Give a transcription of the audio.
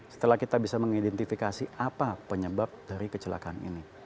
setelah kita bisa mengidentifikasi apa penyebab dari kecelakaan ini